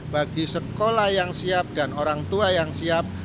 bagi sekolah yang siap dan orang tua yang siap